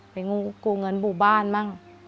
ไปกู้เงินบู่บ้านบ้าง